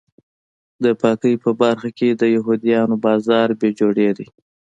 د پاکۍ په برخه کې د یهودیانو بازار بې جوړې دی.